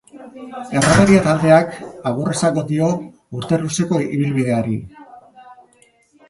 Erromeria taldeak agur esango dio urte luzeko ibilbideari.